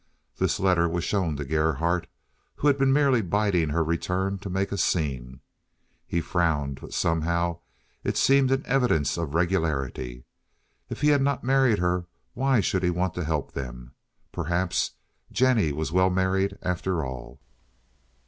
This letter was shown to Gerhardt, who had been merely biding her return to make a scene. He frowned, but somehow it seemed an evidence of regularity. If he had not married her why should he want to help them? Perhaps Jennie was well married after all.